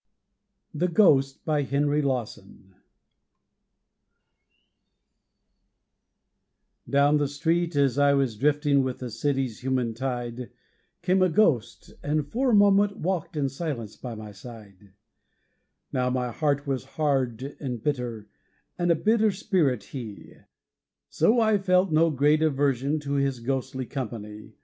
ntellect is weak. The Ghost Down the street as I was drifting with the city's human tide, Came a ghost, and for a moment walked in silence by my side Now my heart was hard and bitter, and a bitter spirit he, So I felt no great aversion to his ghostly company.